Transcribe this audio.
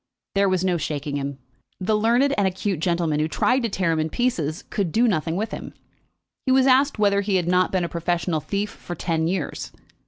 There was no shaking him. The learned and acute gentleman who tried to tear him in pieces could do nothing with him. He was asked whether he had not been a professional thief for ten years.